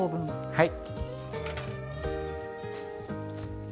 はい。